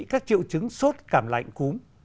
các triệu chứng sốt cảm lạnh cúm